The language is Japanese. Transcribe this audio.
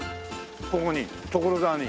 ここに所沢に。